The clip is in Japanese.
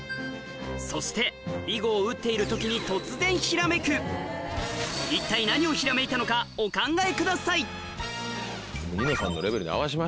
そして囲碁を打っている時に突然ひらめく一体何をひらめいたのかお考えください今回は。